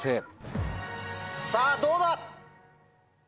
さぁどうだ？